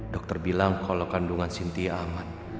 dokter bilang kalau kandungan sintia aman